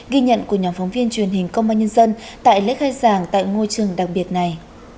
ghi nhận của nhóm phóng viên truyền hình công an nhân dân tại lễ khai giảng tại ngôi trường đặc biệt này